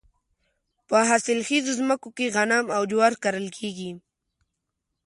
په حاصل خیزو ځمکو کې غنم او جوار کرل کیږي.